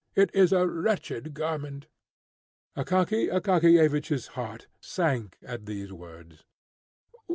It is a wretched garment!" Akaky Akakiyevich's heart sank at these words.